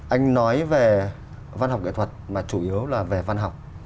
anh nói về văn học nghệ thuật mà chủ yếu là về văn học